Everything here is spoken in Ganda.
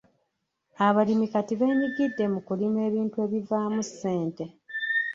Abalimi kati beenyigidde mu kulima ebintu ebivaamu ssente.